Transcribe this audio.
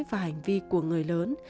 và hành vi của người lớn